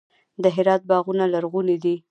د هرات باغونه لرغوني دي.